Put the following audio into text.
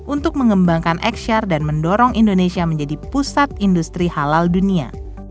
untuk mengembangkan ekshur dan mendorong indonesia menjadi pusat industri halal dunia